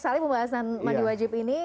misalnya pembahasan mandi wajib ini